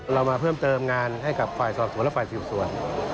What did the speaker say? เรามาเพิ่มเติมงานให้กับฝ่ายสอบสวนและฝ่ายสืบสวน